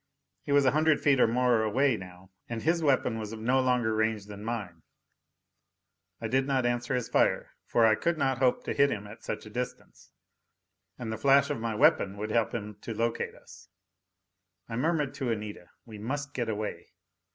He was a hundred feet or more away now, and his weapon was of no longer range than mine. I did not answer his fire, for I could not hope to hit him at such a distance, and the flash of my weapon would help him to locate us. I murmured to Anita, "We must get away."